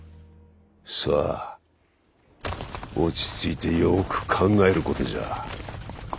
さあ落ち着いてよく考えることじゃ。